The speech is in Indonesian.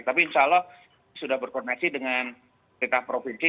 tapi insya allah sudah berkoordinasi dengan kita provinsi